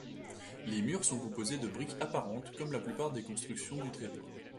Les murs sont composés de briques apparentes, comme la plupart des constructions du Tréport.